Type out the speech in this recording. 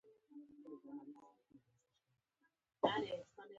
د روانی ملاتړ غوښتل کمزوتیا نده، دا ستا قوت ښایی